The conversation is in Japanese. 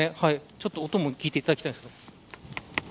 音も聞いていただきたいです。